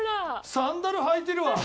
サンダル履いてるわ。